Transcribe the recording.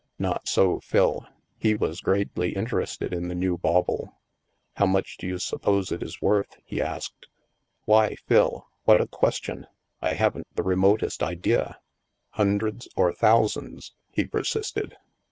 Not so Phil. He was greatly interested in the new bauble. 158 THE MASK " How much do you suppose it is worth ?" he asked. " Why, Phil, what a question ! I haven't the remotest idea." " Hundreds or thousands?*' he persisted.